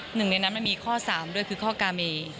หนึ่งในนั้นมันมีข้อ๓ด้วยคือข้อกาเม